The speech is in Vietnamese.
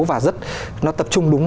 và nó tập trung đúng